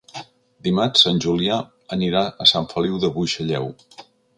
Dimarts en Julià anirà a Sant Feliu de Buixalleu.